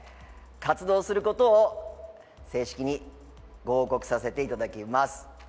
活動することを正式にご報告させていただきます。